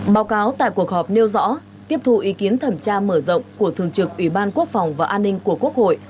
báo cáo tại cuộc họp nêu rõ tiếp thu ý kiến thẩm tra mở rộng của thường trực ủy ban quốc phòng và an ninh của quốc hội